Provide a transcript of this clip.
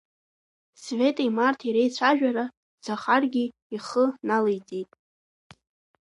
Светеи Марҭеи реицәажәара Захаргьы ихы налеиҵеит.